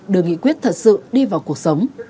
được nghị quyết thật sự đi vào cuộc sống